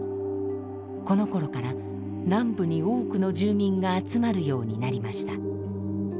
このころから南部に多くの住民が集まるようになりました。